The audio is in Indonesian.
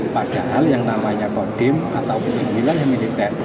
padahal yang namanya kodim atau wilayah militer